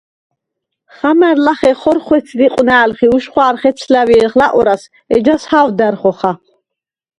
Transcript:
ხამა̈რ ლახე ხორხვეცდ იყვნა̄̈ლხ ი უშხვა̄რ ხეცლა̈ვჲე̄ლხ ლაყვრას, ეჯას ჰა̄ვდა̈რ ხოხა.